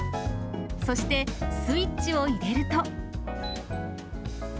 そして、スイッチを入れると。